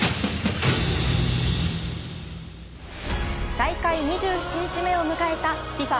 大会２７日目を迎えたＦＩＦＡ